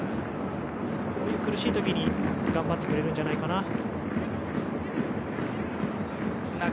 こういう苦しい時に頑張ってくれるんじゃないかな。